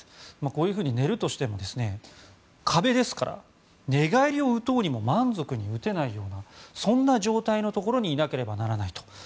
こういうふうに寝るとしても壁ですから寝返りを打とうにも満足に打てないようなそんな状態のところにいなければならないと。